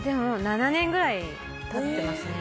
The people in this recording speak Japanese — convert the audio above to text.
７年くらい経ってますね。